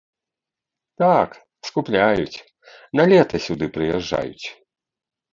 Так, скупляюць, на лета сюды прыязджаюць.